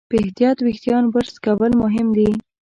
په احتیاط وېښتيان برس کول مهم دي.